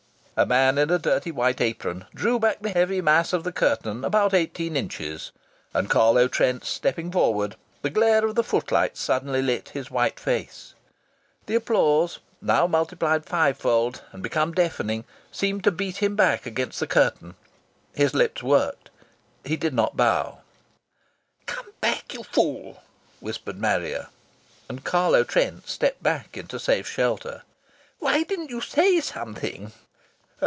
A man in a dirty white apron drew back the heavy mass of the curtain about eighteen inches, and Carlo Trent stepping forward, the glare of the footlights suddenly lit his white face. The applause, now multiplied fivefold and become deafening, seemed to beat him back against the curtain. His lips worked. He did not bow. "Cam back, you fool!" whispered Marrier. And Carlo Trent stepped back into safe shelter. "Why didn't you say something?"